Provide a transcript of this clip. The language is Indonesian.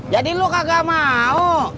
jadi lo kagak mau